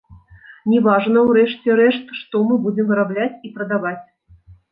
Не важна ў рэшце рэшт што мы будзем вырабляць і прадаваць.